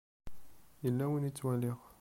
Yella win i ttwaliɣ.